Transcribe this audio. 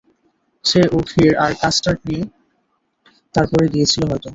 সে ও খিঁর আর কাস্টার্ড নিয়ে তার পরে গিয়েছিল হয়তো।